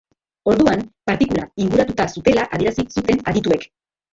Orduan, partikula inguratuta zutela adierazi zuten adituek.